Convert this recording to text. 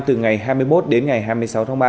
từ ngày hai mươi một đến ngày hai mươi sáu tháng ba